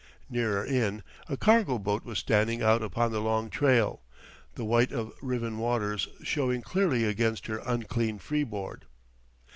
Nearer in, a cargo boat was standing out upon the long trail, the white of riven waters showing clearly against her unclean freeboard.